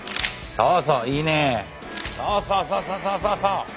そうそうそうそうそうそうそう。